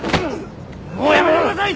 もうやめてください！